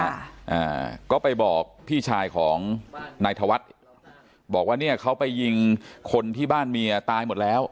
อ่าก็ไปบอกพี่ชายของนายธวัฒน์บอกว่าเนี้ยเขาไปยิงคนที่บ้านเมียตายหมดแล้ว